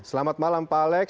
selamat malam pak alex